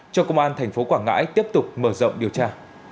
cho công an tp quảng ngãi tiếp tục mở rộng điều tra